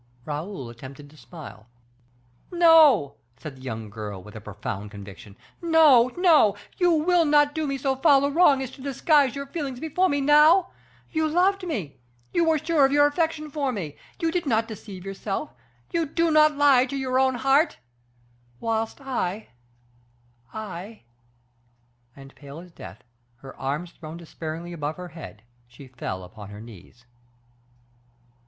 Raoul attempted to smile. "No!" said the young girl, with a profound conviction, "no, no; you will not do me so foul a wrong as to disguise your feelings before me now! You loved me; you were sure of your affection for me; you did not deceive yourself; you do not lie to your own heart whilst I I " And pale as death, her arms thrown despairingly above her head, she fell upon her knees.